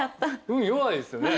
運弱いですよね？